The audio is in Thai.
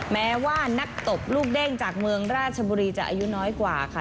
แม้ว่านักตบลูกเด้งจากเมืองราชบุรีจะอายุน้อยกว่าค่ะ